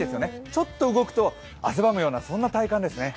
ちょっと動くと汗ばむようなそんな体感ですね。